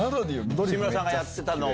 志村さんがやってたのを。